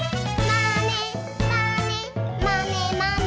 「まねまねまねまね」